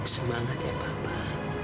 semangat ya papa